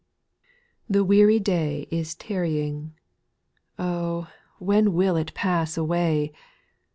npHE weary day is tarrying ; J. Oh I when will it pass away